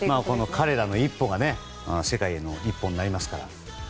彼らの一歩が世界への一歩になりますから。